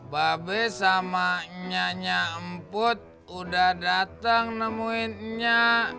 babe sama nyanya emput udah datang nemuin nya